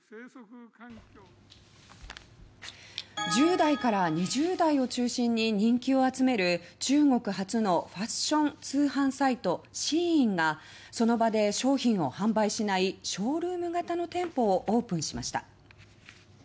１０代から２０代を中心に人気を集める中国発のファッション通販サイトＳＨＥＩＮがその場で商品を販売しないショールーム型の店舗をオープンしました。